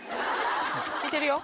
見てるよ。